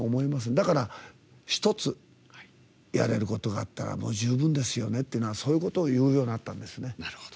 だから一つやれることがあったら十分ですよねってそういうことを言うようになったんですね。